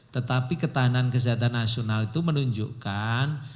tetapi ketahanan kesehatan nasional itu menunjukkan